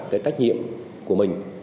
cái trách nhiệm của mình